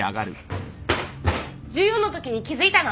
１４のときに気付いたの。